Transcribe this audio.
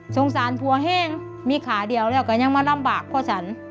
สงสารตัวเห้งมีขาเดียวแล้วก็ยังไม่ร่ำบากเพราะฉัน